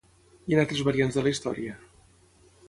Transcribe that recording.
I en altres variants de la història?